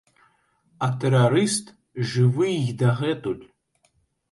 А тэрарыст жывы й дагэтуль!